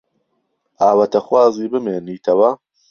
ئاواتەخوازی بمێنیتەوە؟